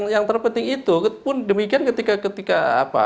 yang terpenting itu pun demikian ketika ketika